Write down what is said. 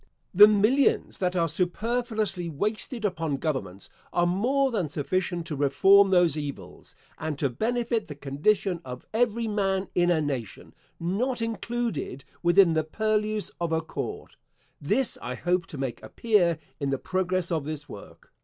The millions that are superfluously wasted upon governments are more than sufficient to reform those evils, and to benefit the condition of every man in a nation, not included within the purlieus of a court. This I hope to make appear in the progress of this work.